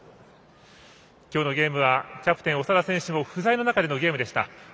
きょうのゲームはキャプテン長田選手が不在の中でのゲームでした。